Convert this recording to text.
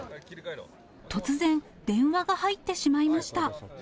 突然、電話が入ってしまいました。